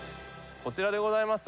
こちらでございます。